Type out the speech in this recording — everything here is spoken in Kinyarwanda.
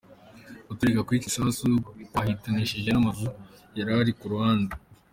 Guturika kw'ico gisasu kwahitanishije n'amazu yari ku ruhande.